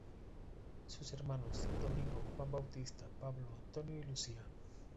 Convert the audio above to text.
Sus hermanos: Domingo, Juan Bautista, Pablo, Antonio y Lucía.